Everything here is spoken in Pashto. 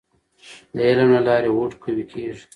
د علم له لارې هوډ قوي کیږي.